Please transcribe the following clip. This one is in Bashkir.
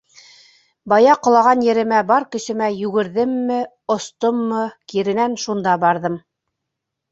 Бая ҡолаған еремә бар көсөмә йүгерҙемме, остоммо, киренән шунда барҙым.